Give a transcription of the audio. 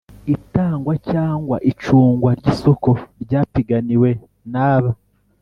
Itangwa cyangwa icungwa ry isoko ryapiganiwe n aba